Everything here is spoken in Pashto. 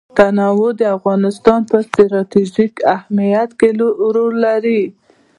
تنوع د افغانستان په ستراتیژیک اهمیت کې رول لري.